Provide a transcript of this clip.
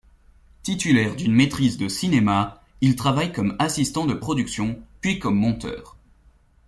Titulaire d’une maîtrise de cinéma, il travaille comme assistant de production puis comme monteur.